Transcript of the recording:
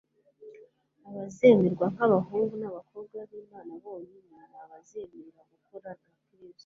Abazemerwa nk'abahungu n'abakobwa b'Imana bonyine ni abazemera gukorana na Kristo,